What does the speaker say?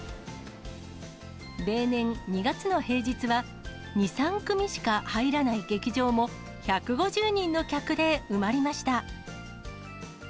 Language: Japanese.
例年、２月の平日は２、３組しか入らない劇場も、１５０人の客で埋まりました。